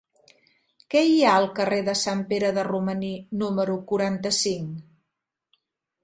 Què hi ha al carrer de Sant Pere de Romaní número quaranta-cinc?